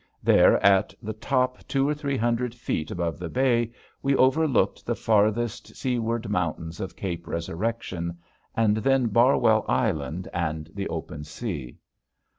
There at the top two or three hundred feet above the bay we overlooked the farthest seaward mountains of Cape Resurrection, then Barwell Island and the open sea.